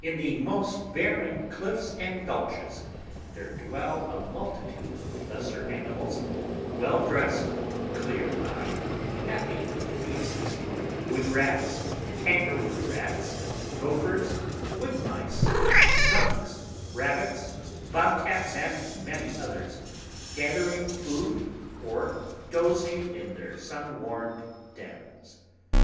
In the most barren cliffs and gulches there dwell a multitude of lesser animals, well dressed, clear eyed, happy little beasts—wood rats, kangaroo rats, gophers, wood mice, skunks, rabbits, bobcats, and many others, gathering food, or dozing in their sun warmed dens.